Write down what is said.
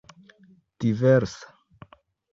diversa